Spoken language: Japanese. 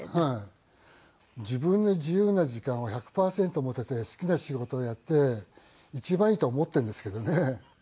自分の自由な時間を１００パーセント持てて好きな仕事をやって一番いいと思っているんですけどね。